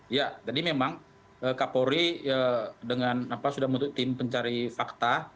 iya jadi memang kaporri sudah bentuk tim pencari fakta